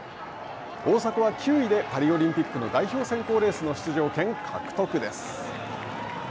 大迫は９位でパリオリンピックの代表選考レースの出場権獲得です。